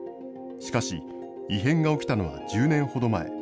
しかし、異変が起きたのは１０年ほど前。